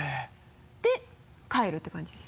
で帰るって感じです。